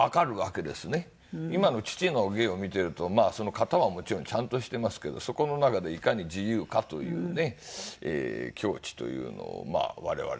今の父の芸を見ていると型はもちろんちゃんとしていますけどそこの中でいかに自由かというね境地というのを我々は見るもので。